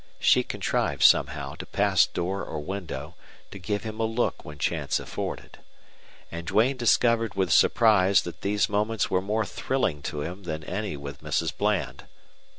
She contrived somehow to pass door or window, to give him a look when chance afforded. And Duane discovered with surprise that these moments were more thrilling to him than any with Mrs. Bland.